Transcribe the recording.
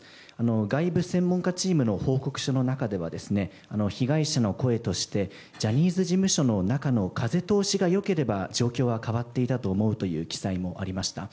外部専門家チームの報告書の中では被害者の声としてジャニーズ事務所の中の風通しが良ければ状況は変わっていたと思うという記載もありました。